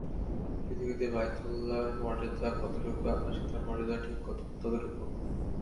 পৃথিবীতে বায়তুল্লাহর মর্যাদা যতটুকু আকাশে তার মর্যাদা ঠিক ততটুকু।